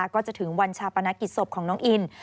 ก็จะถึงวันชาปนกิจศพของน้องอิน